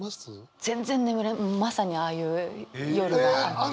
全然眠れまさにああいう夜があって。